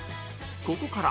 ここから